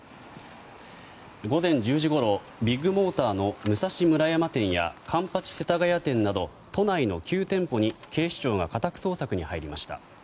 午前１０時ごろビッグモーターの武蔵村山店や環八世田谷店など都内の９店舗に警視庁が家宅捜索に入りました。